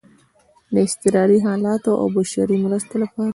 د اضطراري حالاتو او بشري مرستو لپاره